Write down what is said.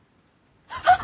あっ！